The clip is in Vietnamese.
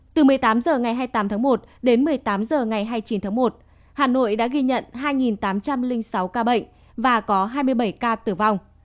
từ một mươi tám h ngày hai mươi tám tháng một đến một mươi tám h ngày hai mươi chín tháng một hà nội đã ghi nhận hai tám trăm linh sáu ca bệnh và có hai mươi bảy ca tử vong